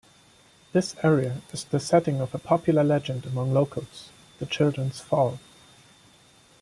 This area is the setting of a popular legend among locals, The Children's Fall.